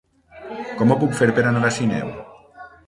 Com ho puc fer per anar a Sineu?